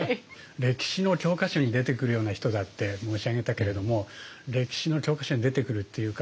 歴史の教科書に出てくるような人だって申し上げたけれども歴史の教科書に出てくるっていうか